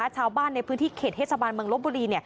ชาวบ้านในพื้นที่เขตเทศบาลเมืองลบบุรี